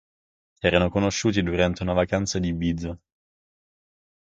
Si erano conosciuti durante una vacanza ad Ibiza.